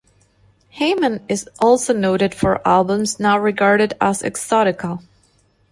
Hayman is also noted for albums now regarded as Exotica.